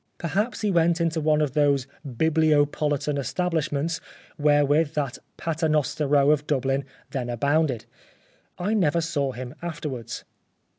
Perhaps he went into one of those bibliopolitan establishments wherewith that Paternoster Row of Dublin then abounded. I never saw him afterwards.